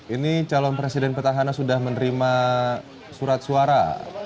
ini calon presiden petahana sudah menerima surat suara